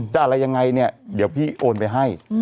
จะอะไรยังไงเดี๋ยวพี่โอนไปให้